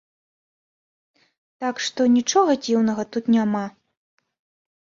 Так што, нічога дзіўнага тут няма.